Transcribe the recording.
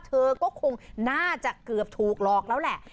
เธอก็คงน่าจะเกือบถูกหลอกแล้วแหละ